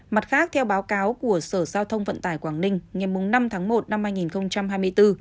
mặt khác theo báo cáo của sở giao thông vận tải quảng ninh ngày năm tháng một năm hai nghìn hai mươi bốn